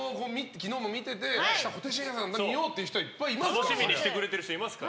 昨日も見てて明日、小手伸也さんだから見ようっていう人はいっぱいいますから。